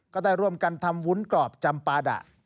ก็ได้ร่วมกันทำวุ้นกรอบจำปาดะ